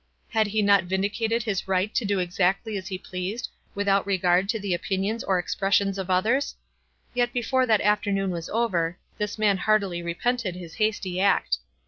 Had he not vindicated his right to do exactly as he pleased, without regard to the opinions or expressions of others ? Yet be fore that afternoon was over, this man heartily repented his hasty act.